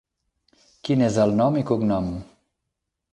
Quin és el nom i cognom?